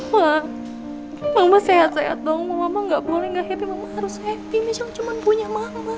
mak mama sehat sehat dong mama gak boleh gak happy mama harus happy michelle cuman punya mama